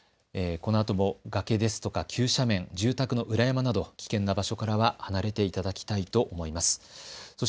このあとも崖ですとか急斜面、住宅の裏山など危険な場所からは離れていただきたいと思います。